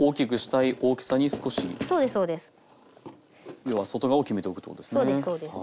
要は外側を決めておくということですね。